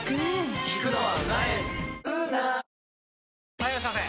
・はいいらっしゃいませ！